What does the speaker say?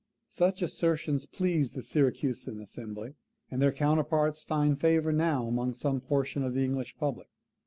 Such assertions pleased the Syracusan assembly; and their counterparts find favour now among some portion of the English public.